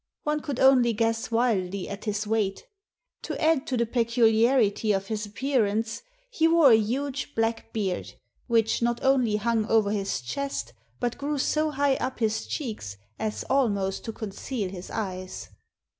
One could only guess wildly at his weight To add to the peculiarity of his appearance, he wore a huge black beard, which not only hung over his chest, but grew so high up his cheeks as almost to conceal his eyes.